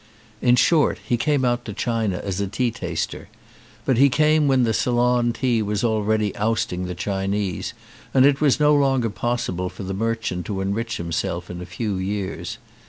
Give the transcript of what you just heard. In short he came out to China as a tea taster. But he came when the Ceylon tea was already ousting the Chinese and it was no longer possible for the merchant to enrich himself in a few years.